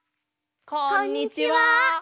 こんにちは。